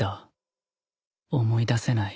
思い出せない